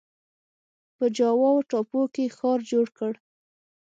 په جاوا ټاپو کې ښار جوړ کړ.